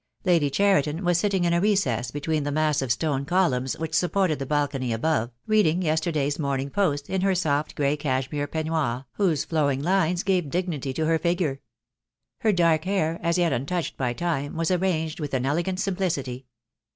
Lady Cheriton was sitting in a recess between the massive stone columns which supported the balcony above, read ing yesterday's Morning Post in her soft grey cashmere peignoir, whose flowing lines gave dignity to her figure. Her dark hair, as yet untouched by time, was arranged with an elegant simplicity.